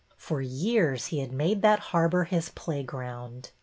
For years he had made that harbor his playground.